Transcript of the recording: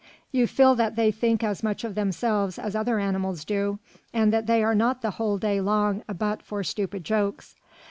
You feel that they think as much of themselves as other animals do, and that they are not the whole day long a butt for stupid jokes.